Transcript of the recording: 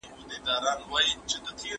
خواړه د ذهني فعالیت ملاتړ کوي.